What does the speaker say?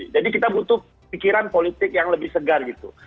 jadi kita butuh pikiran politik yang lebih segar gitu